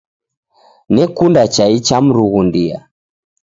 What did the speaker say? Nekunda chai cha mrughundia.